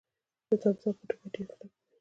د تمساح پوټکی ډیر کلک وي